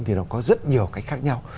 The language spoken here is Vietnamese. thì nó có rất nhiều cách khác nhau